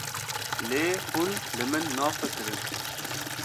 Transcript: Lê hûn li min nafikirin?